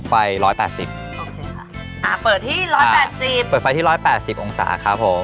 ไฟร้อยแปดสิบอ่าเปิดที่ร้อยแปดสิบเปิดไฟที่ร้อยแปดสิบองศาครับผม